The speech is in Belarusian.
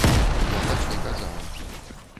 Я так не казала.